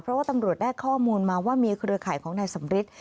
เพราะว่าตำรวจได้ข้อมูลมาว่ามีเครือข่ายของนายสำริท